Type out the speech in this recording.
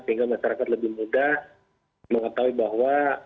sehingga masyarakat lebih mudah mengetahui bahwa